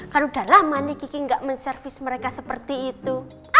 kalau udah lama nih kiki gak menservis mereka seperti itu